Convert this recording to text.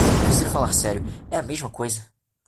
É preciso falar sério: é a mesma coisa.